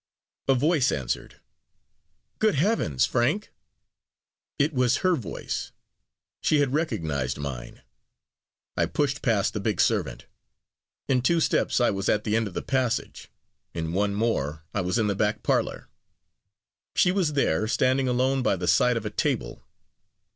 A voice answered, "Good heavens! Frank?" It was her voice. She had recognized mine. I pushed past the big servant; in two steps I was at the end of the passage; in one more I was in the back parlor. She was there, standing alone by the side of a table.